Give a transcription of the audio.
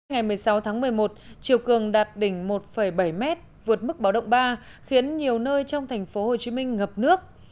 ngày một mươi sáu tháng một mươi một chiều cường đạt đỉnh một bảy m vượt mức báo động ba khiến nhiều nơi trong thành phố hồ chí minh ngập nước